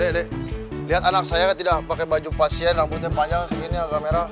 dek lihat anak saya tidak pakai baju pasien rambutnya panjang segini agak merah